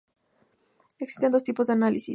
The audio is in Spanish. Existen dos tipos de análisis.